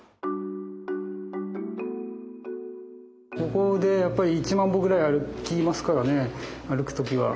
ここで１万歩ぐらい歩きますからね歩く時は。